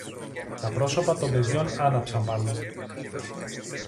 Τα πρόσωπα των παιδιών άναψαν πάλι.